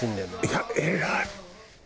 いや偉い！